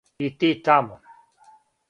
И ти тамо.